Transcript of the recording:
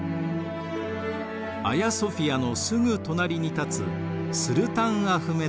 アヤソフィアのすぐ隣に建つスルタンアフメト・モスク。